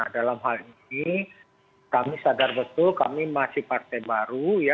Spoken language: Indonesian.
dalam hal ini kami sadar betul kami masih partai baru ya